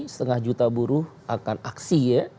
setengah juta buruh akan aksi ya